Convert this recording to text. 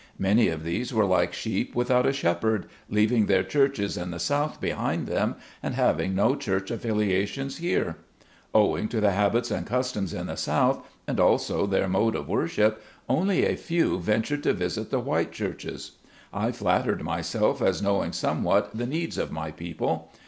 Many of these were like sheep without a Shepherd, leaving their churches in the South behind them, and having no church affiliations here. Owing to the habits and customs in the South, and also their mode of worship, only a few ventured to visit the white churches. I flattered myself as knowing somewhat the needs of my people.